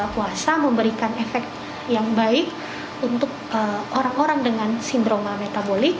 puasa memberikan efek yang baik untuk orang orang dengan sindroma metabolik